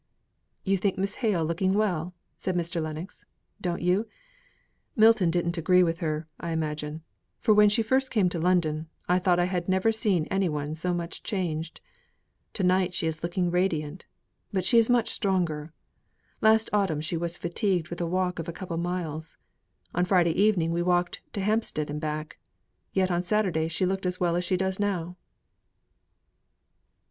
"You think Miss Hale looking well," said Mr. Lennox, "don't you? Milton didn't agree with her, I imagine; for when she first came to London, I thought I had never seen any one so much changed. To night she is looking radiant. But she is much stronger. Last autumn she was fatigued with a walk of a couple of miles. On Friday evening we walked up to Hampstead and back. Yet on Saturday she looked as well as she does now."